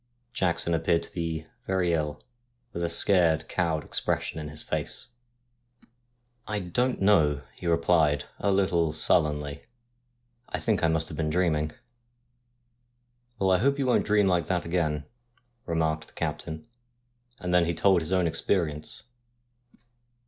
Jackson appeared to be very ill, with a scared, cowed expression in his face. ' I don't know,' he replied a little sullenly, ' I think I must have been dreaming.' ' Well, I hope you won't dream again like that,' remarked the captain, and then he told his own experience.